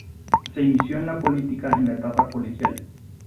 Se inició en la política en la etapa colegial.